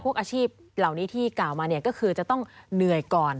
อาชีพเหล่านี้ที่กล่าวมาเนี่ยก็คือจะต้องเหนื่อยก่อน